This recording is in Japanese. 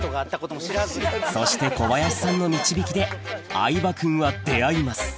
そして小林さんの導きで相葉君は出会います